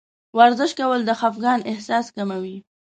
ورزش کول د خفګان احساس کموي.